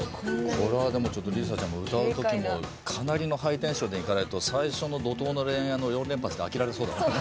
これはでもちょっと里依紗ちゃんも歌う時もうかなりのハイテンションでいかないと最初の「怒濤の恋愛」の４連発で飽きられそうだもんね。